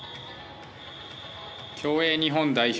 競泳日本代表